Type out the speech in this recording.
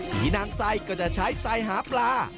ผีนางไซก็จะใช้ไซหาปลา